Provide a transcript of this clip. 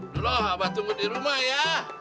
tunggu di rumah ya